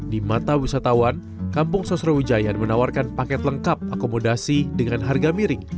di mata wisatawan kampung sosrawijayan menawarkan paket lengkap akomodasi dengan harga miring